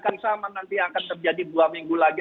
nanti akan terjadi dua minggu lagi